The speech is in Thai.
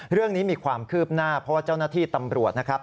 เรื่องนี้มีความคืบหน้าเพราะว่าเจ้าหน้าที่ตำรวจนะครับ